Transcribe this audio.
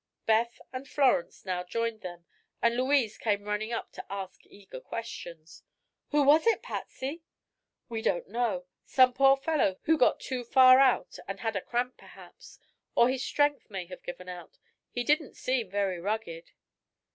Beth and Florence now joined them and Louise came running up to ask eager questions. "Who was it, Patsy?" "We don't know. Some poor fellow who got too far out and had a cramp, perhaps. Or his strength may have given out. He didn't seem very rugged."